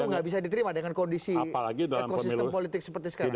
itu nggak bisa diterima dengan kondisi ekosistem politik seperti sekarang